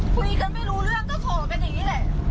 คุยกันไม่รู้เรื่องก็ขอกันอย่างนี้แหละ